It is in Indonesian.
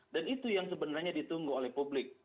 dan itu yang sebenarnya ditunggu oleh publik